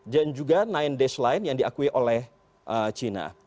dan juga nine dash line yang diakui oleh cina